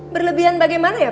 berlebihan bagaimana ya pak